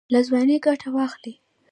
له ځوانۍ ګټه واخلئ